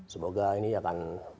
semoga ini akan